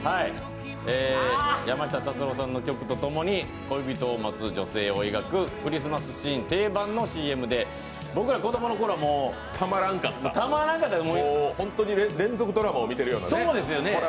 山下達郎さんの曲とともに恋人を待つ女性を描くクリスマスシーン定番のＣＭで、僕ら子供の頃は、たまらんかった連続ドラマを見ているかのようなね。